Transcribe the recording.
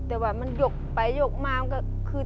แต่ว่ามันยกไปยกมามันก็คือเท่ากันหมด